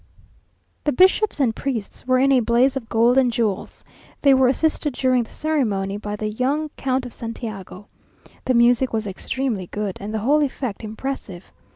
The bishops and priests were in a blaze of gold and jewels. They were assisted during the ceremony by the young Count of Santiago. The music was extremely good, and the whole effect impressive.